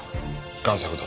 贋作だと。